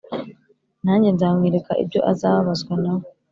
nanjye nzamwereka ibyo azababazwa na we